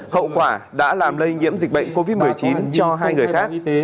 hậu quả đã làm lây nhiễm dịch bệnh covid một mươi chín cho hai người khác